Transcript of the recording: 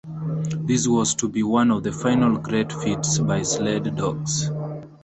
This was to be one of the final great feats by sled dogs.